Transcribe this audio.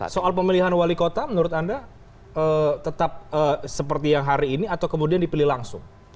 soal pemilihan wali kota menurut anda tetap seperti yang hari ini atau kemudian dipilih langsung